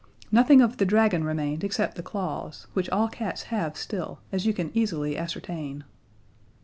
Nothing of the dragon remained except the claws, which all cats have still, as you can easily ascertain.